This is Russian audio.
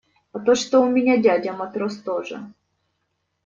А то, что у меня дядя матрос тоже.